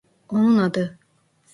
Onun adı…